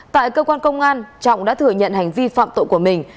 tại cơ quan công an trọng đã thừa nhận hành vi phạm tội của mình